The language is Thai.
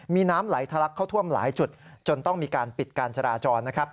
มีน้ำไหลทะลักเข้าท่วมหลายจุดจนต้องมีการปิดการจราจรนะครับ